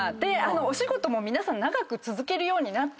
お仕事も皆さん長く続けるようになったので。